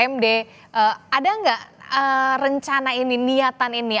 md ada nggak rencana ini niatan ini